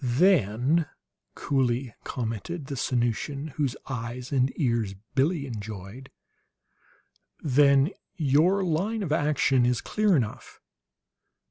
"Then," coolly commented the Sanusian whose eyes and ears Billie enjoyed; "then your line of action is clear enough.